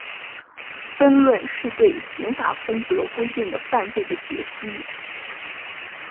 分论是对刑法分则规定的犯罪的解析。